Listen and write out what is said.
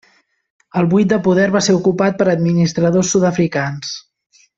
El buit de poder va ser ocupat per administradors sud-africans.